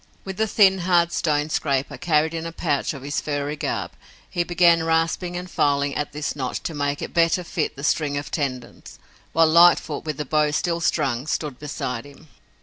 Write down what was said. With a thin, hard stone scraper, carried in a pouch of his furry garb, he began rasping and filing at this notch to make it better fit the string of tendons, while Lightfoot, with the bow still strung, stood beside him.